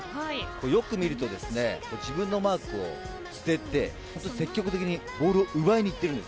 よく見ると自分のマークを捨てて積極的にボールを奪いにいっているんです。